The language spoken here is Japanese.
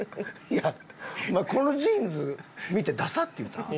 いやお前このジーンズ見て「ダサ」って言うた？